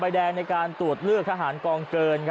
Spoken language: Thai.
แดงในการตรวจเลือกทหารกองเกิน